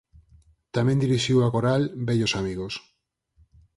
Tamén dirixiu a coral "Vellos Amigos".